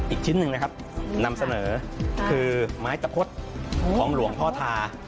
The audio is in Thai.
อีกชิ้นหนึ่งนะครับนำเสนอคือไม้ตะพดของหลวงพ่อทา